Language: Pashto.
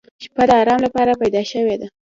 • شپه د آرام لپاره پیدا شوې ده.